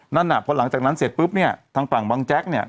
นั่นอ่ะพอหลังจากนั้นเสร็จปุ๊บเนี่ยทางฝั่งบังแจ๊กเนี่ย